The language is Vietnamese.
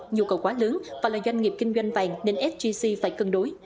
nhu cầu quá lớn và là doanh nghiệp kinh doanh vàng nên sgc phải cân đối